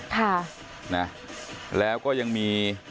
ค่ะนะแล้วก็ยังมี